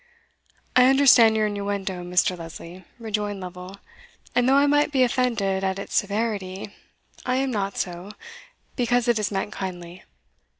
"I understand your innuendo, Mr. Lesley," rejoined Lovel; and though I might be offended at its severity, I am not so, because it is meant kindly.